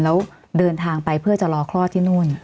แล้วเดินทางไปเพื่อจะรอคลอดที่นู่น